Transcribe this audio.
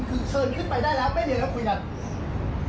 คือเชิญขึ้นไปได้แล้วไม่มีแล้วคุยกัน